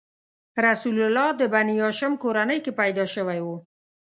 رسول الله د بنیهاشم کورنۍ کې پیدا شوی و.